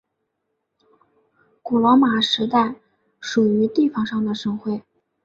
古罗马时代属于地方上的省会。